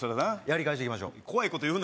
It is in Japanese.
やり返していきましょう